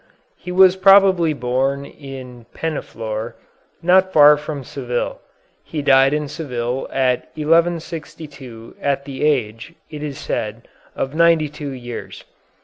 He was probably born in Penaflor, not far from Seville. He died in Seville in 1162 at the age, it is said, of ninety two years.